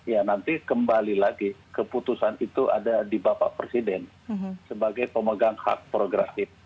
ya nanti kembali lagi keputusan itu ada di bapak presiden sebagai pemegang hak progresif